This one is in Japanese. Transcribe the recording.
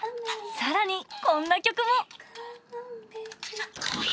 さらに、こんな曲も。